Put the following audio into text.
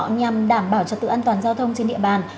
nhằm đảm bảo trật tự an toàn giao thông trên địa bàn